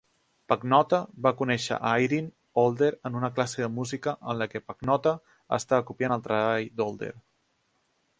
Pagnotta va conèixer a Airin Older en una classe de música en la que Pagnotta estava copiant el treball d'Older.